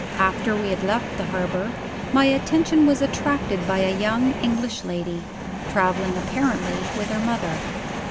After we had left the harbor, my attention was attracted by a young English lady traveling, apparently, with her mother.